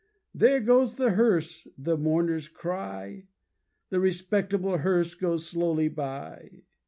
There goes the hearse, the mourners cry, The respectable hearse goes slowly by.